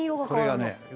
「これがね